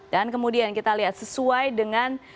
dan kemudian kita lihat sesuai dengan